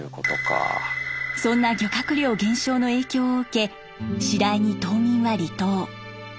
そんな漁獲量減少の影響を受け次第に島民は離島。